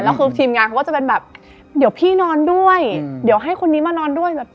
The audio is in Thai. แล้วคือทีมงานเขาก็จะเป็นแบบเดี๋ยวพี่นอนด้วยเดี๋ยวให้คนนี้มานอนด้วยแบบ